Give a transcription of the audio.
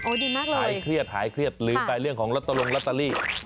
โอ้ยดีมากเลยหายเครียดหายเครียดลืมไปเรื่องของรัตโตรงรัตตาลี